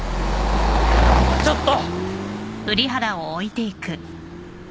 ちょっと！